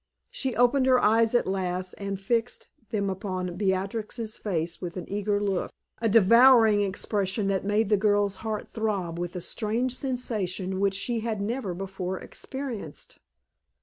She opened her eyes at last and fixed them upon Beatrix's face with an eager look, a devouring expression that made the girl's heart throb with a strange sensation which she had never before experienced.